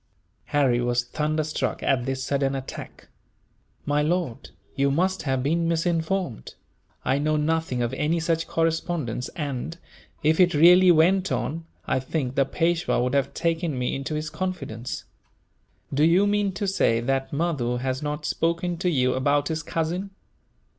Harry was thunderstruck at this sudden attack. "My lord, you must have been misinformed. I know nothing of any such correspondence and, if it really went on, I think the Peishwa would have taken me into his confidence." "Do you mean to say that Mahdoo has not spoken to you about his cousin?"